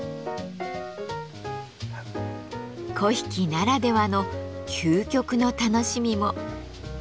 粉引ならではの究極の楽しみも。